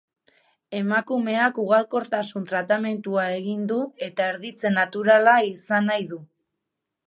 Emakumeak ugalkortasun tratamendua egin du eta erditze naturala izan nahi du.